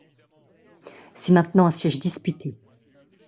C'est maintenant un siège disputé.